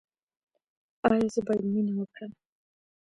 ایا زه باید مینه وکړم؟